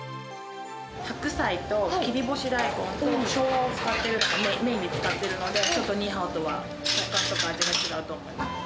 白菜と切り干し大根とショウガをメインに使っているので、ちょっとニーハオとは食感とか全然違うと思います。